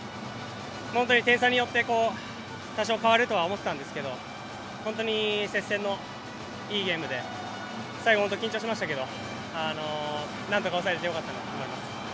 本当に点差によって多少変わるとは思ったんですけど本当に接戦の、いいゲームで最後、本当に緊張しましたけどなんとか抑えられてよかったなと思います。